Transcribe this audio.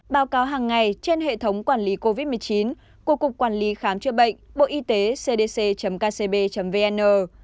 báo cáo hàng ngày trên hệ thống quản lý covid một mươi chín của cục quản lý khám chữa bệnh bộ y tế cdc kcb vn